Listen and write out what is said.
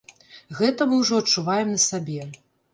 Гэта мы ўжо адчуваем на сабе.